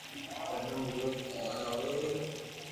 جنگل ۾ گيو تو اوني اووي ايڪ